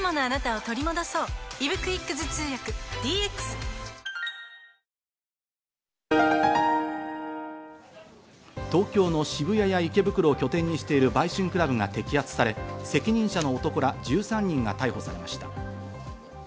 法廷では東京の渋谷や池袋を拠点にしている売春クラブが摘発され、責任者の男ら１３人が逮捕されました。